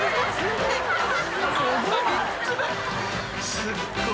［すっごーい！